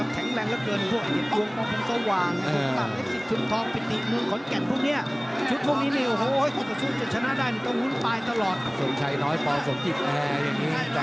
สนทรายน้อยปาสมชิทช์แหละ